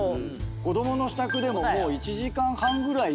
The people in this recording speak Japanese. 子供の支度でももう１時間半ぐらい。